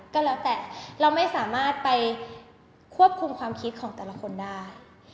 ก็แล้วแต่เราไม่สามารถไปควบคุมความคิดของแต่ละคนได้